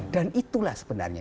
dan itulah sebenarnya